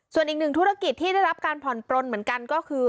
ส่วนอีกหนึ่งธุรกิจที่ได้รับการผ่อนปลนเหมือนกันก็คือ